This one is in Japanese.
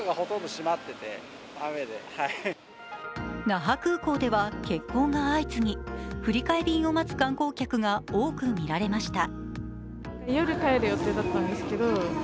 那覇空港では欠航が相次ぎ振り替え便を待つ観光客が多く見られました。